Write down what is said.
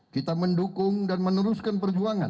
kita mendukung dan meneruskan perjuangan